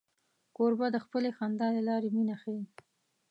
کوربه د خپلې خندا له لارې مینه ښيي.